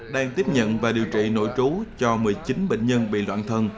đang tiếp nhận và điều trị nội trú cho một mươi chín bệnh nhân bị loạn thần